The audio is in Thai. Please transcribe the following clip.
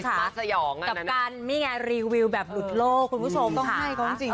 กับการนี่ไงรีวิวแบบหลุดโลกคุณผู้ชมค่ะต้องให้ก็ต้องจริง